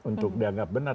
untuk dianggap benar